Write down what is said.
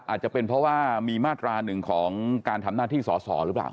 อาจจะเป็นเพราะว่ามีมาตราหนึ่งของการทำหน้าที่สอสอหรือเปล่า